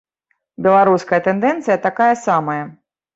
Беларуская тэндэнцыя такая самая.